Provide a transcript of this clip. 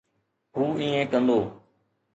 هو ائين ڪندو.